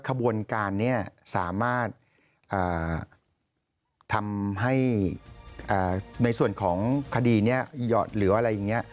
ขบวนการสามารถทำให้ในส่วนของคดีหรือว่าอะไรอย่างนี้